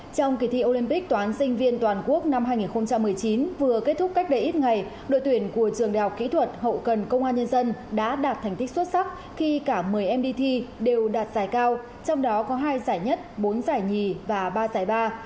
trong kỳ thi olympic toán sinh viên toàn quốc năm hai nghìn một mươi chín vừa kết thúc cách đây ít ngày đội tuyển của trường đại học kỹ thuật hậu cần công an nhân dân đã đạt thành tích xuất sắc khi cả một mươi em đi thi đều đạt giải cao trong đó có hai giải nhất bốn giải nhì và ba giải ba